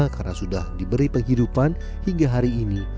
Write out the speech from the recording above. karena sudah diberi penghidupan hingga hari ini